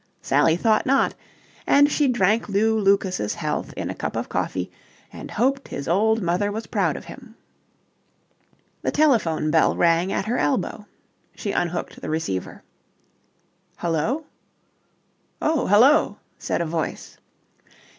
Sally thought not, and she drank Lew Lucas's health in a cup of coffee and hoped his old mother was proud of him. The telephone bell rang at her elbow. She unhooked the receiver. "Hullo?" "Oh, hullo," said a voice.